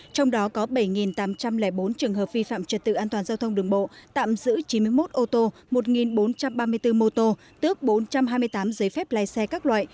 trong đó có bảy tám trăm linh bốn trường hợp vi phạm trật tự an toàn giao thông đường bộ tạm giữ chín mươi một ô tô một bốn trăm ba mươi bốn mô tô tước bốn trăm hai mươi tám giấy phép lai xe các loại